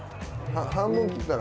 半分切ったら？